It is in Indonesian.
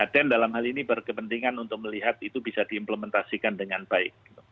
dan dalam hal ini berkepentingan untuk melihat itu bisa diimplementasikan dengan baik